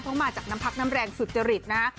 เพราะมาจากน้ำพักน้ำแรงสุจริตนะฮะ